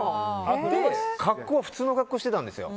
格好は普通の格好してたんですよ。